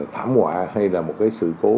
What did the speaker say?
thảm họa hay là một cái sự cố